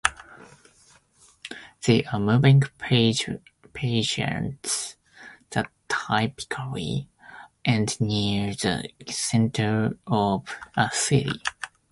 They are moving pageants that typically end near the centre of a city.